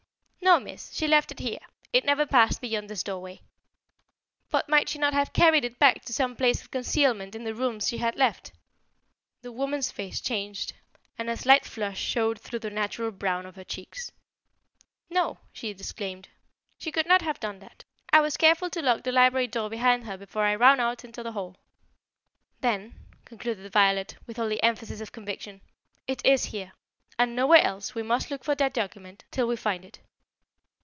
"No, Miss; she left it here. It never passed beyond this doorway." "But might she not have carried it back to some place of concealment in the rooms she had left?" The woman's face changed and a slight flush showed through the natural brown of her cheeks. "No," she disclaimed; "she could not have done that. I was careful to lock the library door behind her before I ran out into the hall." "Then," concluded Violet, with all the emphasis of conviction, "it is here, and nowhere else we must look for that document till we find it."